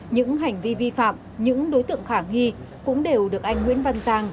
những hành vi vi phạm những đối tượng khả nghi cũng đều được anh nguyễn văn giang